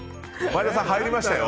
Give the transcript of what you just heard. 前田さん、入りましたよ。